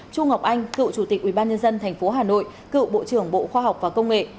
trung ngọc anh cựu chủ tịch ubnd tp hà nội cựu bộ trưởng bộ khoa học và công nghệ